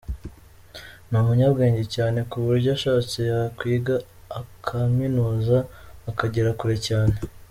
Ni umunyabwenge cyane kuburyo ashatse yakwiga akaminuza akagera kure cyane.